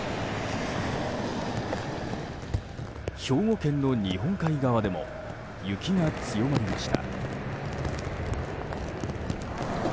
兵庫県の日本海側でも雪が強まりました。